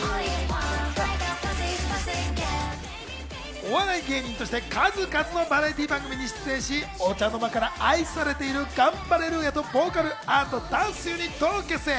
お笑い芸人として数々のバラエティー番組に出演し、お茶の間から愛されているガンバレルーヤと、ボーカル＆ダンスユニットを結成。